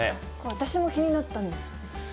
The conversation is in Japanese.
私も気になったんです。